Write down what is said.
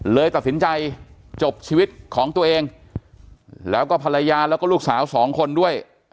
เลยตัดสินใจจบชีวิตของตัวเองแล้วก็ภรรยาแล้วก็ลูกสาวสองคนด้วย